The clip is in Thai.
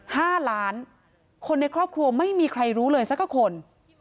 ห้าล้านคนในครอบครัวไม่มีใครรู้เลยสักคน